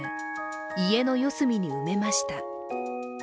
家の四隅に埋めました。